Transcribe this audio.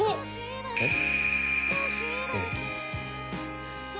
えっ？